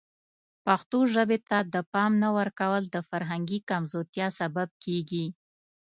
پښتو ژبې ته د پام نه ورکول د فرهنګي کمزورتیا سبب کیږي.